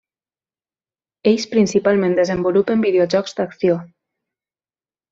Ells principalment desenvolupen videojocs d'acció.